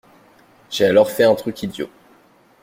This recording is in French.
J’ai alors fait un truc idiot.